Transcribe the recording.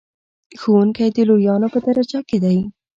ښوونکی د لویانو په درجه کې دی.